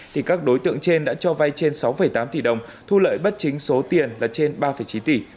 thì các đối tượng trên đã cho vay trên sáu tám tỷ đồng thu lợi bất chính số tiền là trên ba chín tỷ